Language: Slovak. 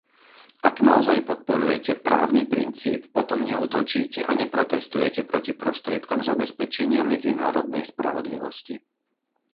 Ak naozaj podporujete právny princíp, potom neútočíte a neprotestujete proti prostriedkom zabezpečenia medzinárodnej spravodlivosti.